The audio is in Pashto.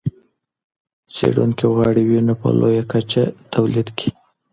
څېړونکي غواړي وینه په لویه کچه تولید کړي.